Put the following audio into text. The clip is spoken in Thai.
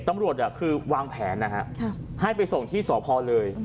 ตำรวจคือวางแผนนะฮะให้ไปส่งที่สพเลย